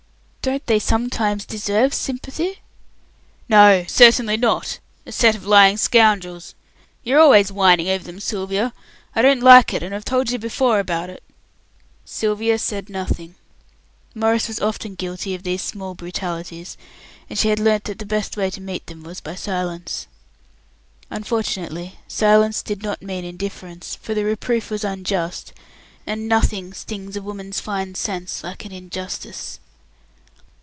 "Don't they sometimes deserve sympathy?" "No, certainly not a set of lying scoundrels. You are always whining over them, Sylvia. I don't like it, and I've told you before about it." Sylvia said nothing. Maurice was often guilty of these small brutalities, and she had learnt that the best way to meet them was by silence. Unfortunately, silence did not mean indifference, for the reproof was unjust, and nothing stings a woman's fine sense like an injustice.